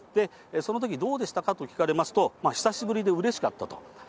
そのとき、どうでしたかと聞かれますと、久しぶりでうれしかったと。